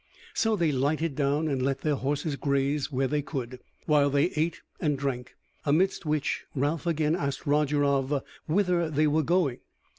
So they lighted down and let their horses graze what they could, while they ate and drank; amidst which Ralph again asked Roger of whither they were going.